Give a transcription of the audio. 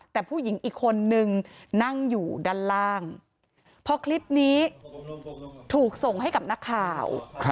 แต่ผู้หญิงอีกคนนึงนั่งอยู่ด้านล่างพอคลิปนี้ถูกส่งให้กับนักข่าว